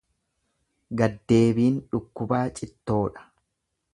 Gaddeebiin dhukkubaa cittoodha.